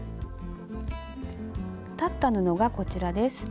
裁った布がこちらです。